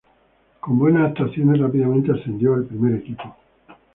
Con buenas actuaciones rápidamente ascendió al primer equipo.